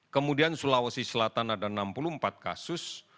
kemudian sulawesi selatan ada enam puluh empat kasus